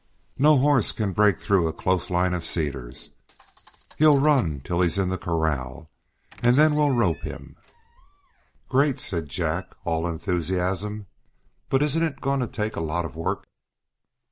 No horse can break through a close line of cedars. He'll run till he's in the corral, and then we'll rope him." "Great!" said Jack, all enthusiasm. "But isn't it going to take a lot of work?"